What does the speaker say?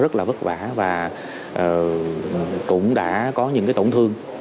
rất là vất vả và cũng đã có những tổn thương